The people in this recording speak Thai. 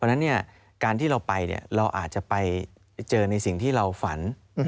เพราะฉะนั้นการที่เราไปเราอาจจะไปเจอในสิ่งที่เราฝัน